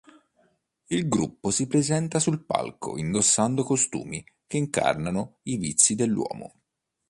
Il gruppo si presenta sul palco indossando costumi che incarnano i vizi dell'uomo.